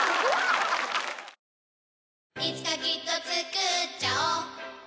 いつかきっとつくっちゃおう